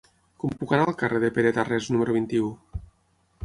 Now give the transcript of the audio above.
Com puc anar al carrer de Pere Tarrés número vint-i-u?